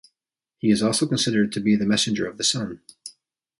He is also considered to be the messenger of the Sun.